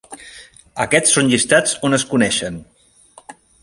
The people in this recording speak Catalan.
Aquests són llistats on es coneixen.